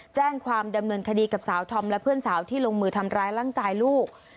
แจ้งความดำเนินคดีกับสาวธอมและเพื่อนสาวที่ลงมือทำร้ายร่างกายลูก